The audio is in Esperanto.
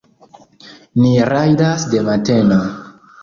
Ni rajdas de mateno.